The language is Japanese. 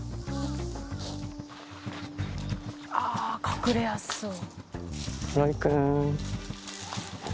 あ隠れやすそう。